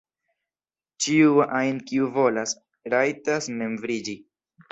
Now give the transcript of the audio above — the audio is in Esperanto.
Ĉiu ajn kiu volas, rajtas membriĝi.